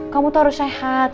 kamu tuh harus sehat